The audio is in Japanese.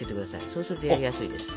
そうするとやりやすいです。